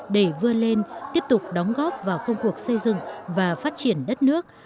để vươn lên tiếp tục đóng góp vào công cuộc xây dựng và phát triển đất nước